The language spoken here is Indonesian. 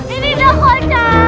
ini ada kocan